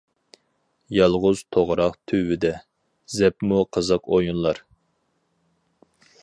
يالغۇز توغراق تۈۋىدە، زەپمۇ قىزىق ئويۇنلار.